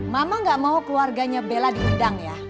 mama gak mau keluarganya bella diundang ya